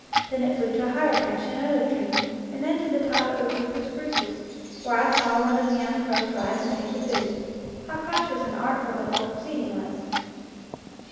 Then it flew to a higher branch in another tree, and then to the top of a group of spruces, where I saw one of the young crows rise and take the food. How cautious and artful the whole proceeding was